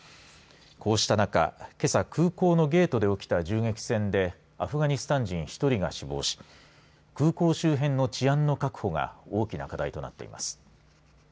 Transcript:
こうした中、けさ空港のゲートで起きた銃撃戦でアフガニスタン人１人が死亡し空港周辺の治安の確保が大きな課題となっています。